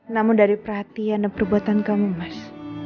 namun dari perhatian dan perbuatan kamu mas